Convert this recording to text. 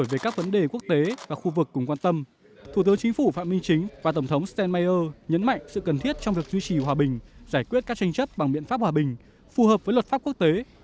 về các vấn đề quốc tế và khu vực cùng quan tâm thủ tướng chính phủ phạm minh chính và tổng thống stemmeier nhấn mạnh sự cần thiết trong việc duy trì hòa bình giải quyết các tranh chấp bằng biện pháp hòa bình phù hợp với luật pháp quốc tế